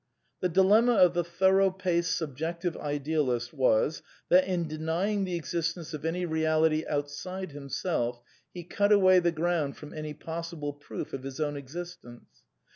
The dilemma of the thorough paced Subjectiveldealist, was that, in denying the existence oFany reality outside himself, he cut away the ground from any possible proof of his own existence.